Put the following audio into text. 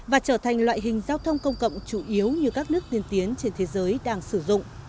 và trở thành loại hình giao thông công cộng chủ yếu như các nước tiên tiến trên thế giới đang sử dụng